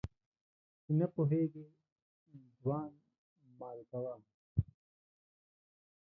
چي نه پوهېږي ځوان مال کوه.